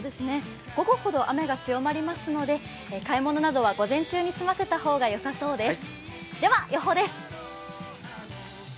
午後ほど雨が強まりますので、買い物などは午前中に済ませた方が良さそうです。